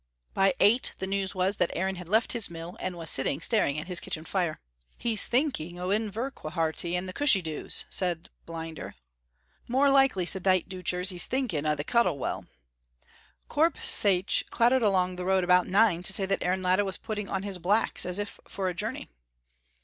By eight the news was that Aaron had left his mill and was sitting staring at his kitchen fire. "He's thinking o' Inverquharity and the cushie doos," said Blinder. "More likely," said Dite Deuchars, "he's thinking o' the Cuttle Well." Corp Shiach clattered along the road about nine to say that Aaron Latta was putting on his blacks as if for a journey.